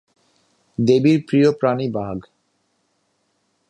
দেবীর প্রিয় প্রাণী বাঘ।